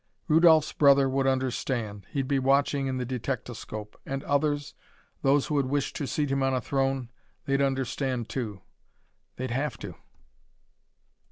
Rudolph's brother would understand. He'd be watching in the detectoscope. And the others those who had wished to seat him on a throne they'd understand, too. They'd have to!